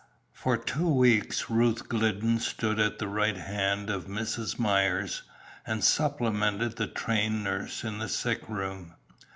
For two weeks Ruth Glidden stood at the right hand of Mrs. Myers, and supplemented the trained nurse in the sick room.